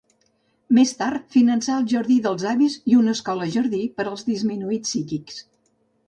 Més tard, finançà el Jardí dels Avis i una escola jardí per a disminuïts psíquics.